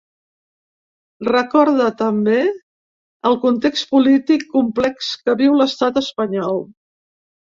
Recorda, també, el ‘context polític complex’ que viu l’estat espanyol.